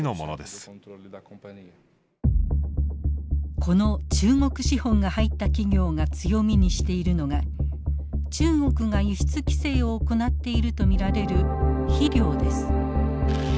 この中国資本が入った企業が強みにしているのが中国が輸出規制を行っていると見られる肥料です。